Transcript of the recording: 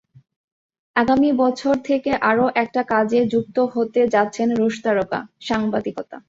আগামী বছর থেকে আরও একটা কাজে যুক্ত হতে যাচ্ছেন রুশ তারকা—সাংবাদিকতা।